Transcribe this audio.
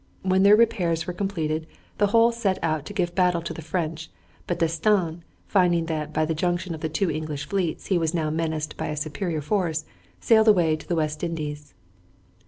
When their repairs were completed the whole set out to give battle to the French, but D'Estaing, finding that by the junction of the two English fleets he was now menaced by a superior force, sailed away to the West Indies.